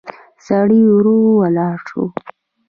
سړی ورو ولاړ شو.